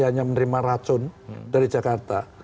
hanya menerima racun dari jakarta